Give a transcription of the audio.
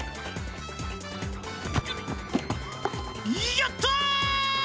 やった！